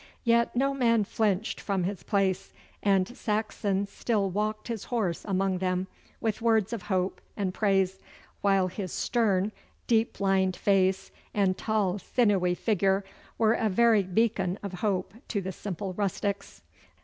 Yet no man flinched from his place, and Saxon still walked his horse among them with words of hope and praise, while his stern, deep lined face and tall sinewy figure were a very beacon of hope to the simple rustics.